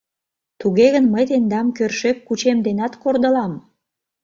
— Туге гын, мый тендам кӧршӧк кучем денат кордылам!..